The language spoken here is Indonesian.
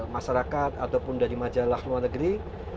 masyarakat ataupun dari majalah luar negeri